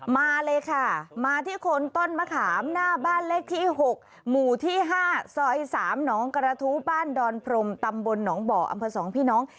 มาเลยค่ะมาที่คนต้นมะขามหน้าบ้านเลขที่๖หมู่ที่๕ซอย๓หนองกระทู้บ้านดอนพรมตำบลหนองบ่ออำเภอ๒พี่น้อง